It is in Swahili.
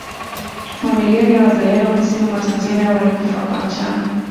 Mamilioni ya wazalendo kusini mwa Tanzania walikufa kwa njaa